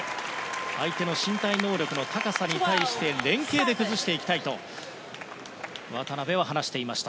相手の身体能力の高さに対して連係で崩していきたいと渡辺は話していました。